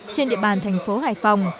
trên địa bàn tp hải phòng